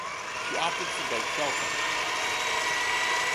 She opted for Blake Shelton.